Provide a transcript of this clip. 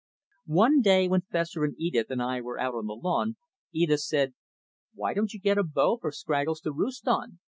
] One day when Fessor and Edith and I were out on the lawn, Edith said: "Why don't you get a bough for Scraggles to roost on?"